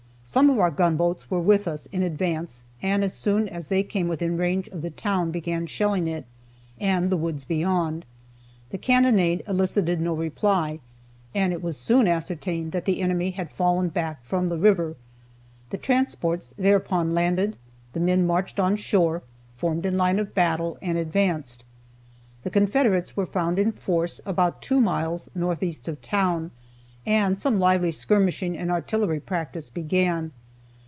Some of our gunboats were with us, in advance, and as soon as they came within range of the town began shelling it, and the woods beyond. The cannonade elicited no reply, and it was soon ascertained that the enemy had fallen back from the river. The transports thereupon landed, the men marched on shore, formed in line of battle, and advanced. The Confederates were found in force about two miles northeast of town, and some lively skirmishing and artillery practice began.